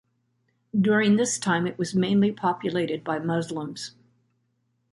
During this time, it was mainly populated by Muslims.